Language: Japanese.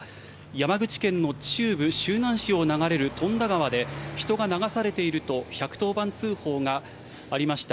山口県の中部、周南市を流れる富田川で、人が流されていると１１０番通報がありました。